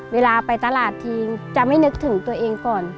เวลาไปตลาดทีจะไม่นึกถึงตัวเองก่อน